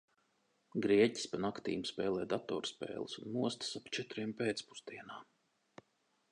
Grieķis pa naktīm spēlē datorspēles un mostas ap četriem pēcpusdienā.